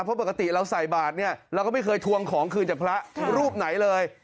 เพราะปกติเราใส่บาทเนี่ยเราก็ไม่เคยทวงของคืนจากพระรูปไหนเลย